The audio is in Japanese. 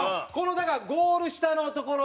だから、ゴール下のところ。